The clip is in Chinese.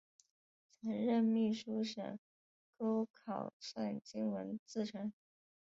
曾任秘书省钩考算经文字臣。